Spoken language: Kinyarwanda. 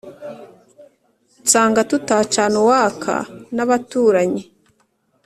nsanga tutacana uwaka n'abaturanyi